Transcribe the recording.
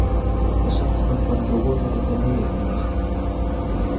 Der Schatzfund von Lohe wurde in der Nähe gemacht.